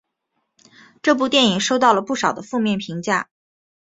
这部电影收到了不少的负面评价。